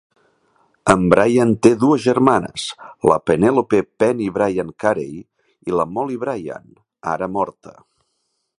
En Bryant té dues germanes, la Penelope "Penny" Bryant Carey, i la Molly Bryant, ara morta.